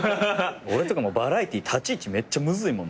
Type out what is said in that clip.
俺とかバラエティー立ち位置めっちゃむずいもん。